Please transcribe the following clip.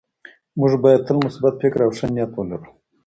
موږ باید تل مثبت فکر او ښه نیت ولرو